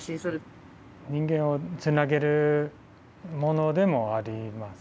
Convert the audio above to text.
人間をつなげるものでもあります